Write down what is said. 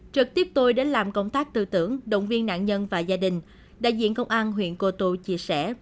trực tiếp tôi đến làm công tác tư tưởng động viên nạn nhân và gia đình đại diện công an huyện cô tô chia sẻ